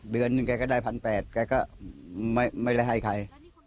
เดือนแกก็ได้พันแปดแกก็ไม่ให้ใคร